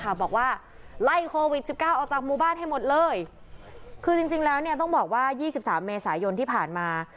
บอกว่าไล่โควิด๑๙ออกจากหมู่บ้านให้หมดเลยคือจริงแล้วเนี่ยต้องบอกว่า๒๓เมษายนที่ผ่านมา